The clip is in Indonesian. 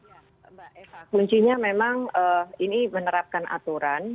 ya mbak eva kuncinya memang ini menerapkan aturan